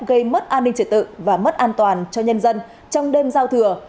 gây mất an ninh trật tự và mất an toàn cho nhân dân trong đêm giao thừa